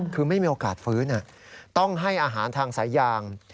คือไม่มีโอกาสฟื้นต้องให้อาหารทางสายยาง